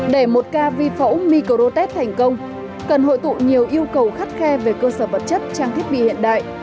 để một ca vi phẫu microtep thành công cần hội tụ nhiều yêu cầu khắt khe về cơ sở vật chất trang thiết bị hiện đại